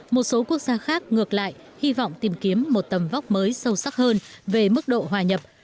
một số quốc gia khác ngược lại hy vọng tìm kiếm một tầm vóc mới sâu sắc hơn về mức độ hòa nhập